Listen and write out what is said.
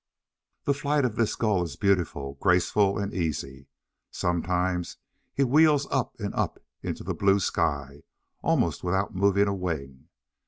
The flight of this Gull is beautiful, graceful, and easy. Sometimes he wheels up and up into the blue sky, almost without moving a wing.